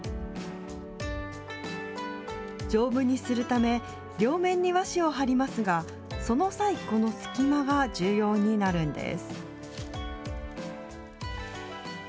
丈夫にするため、両面に和紙を張りますが、その際、この隙間が重要になるんです。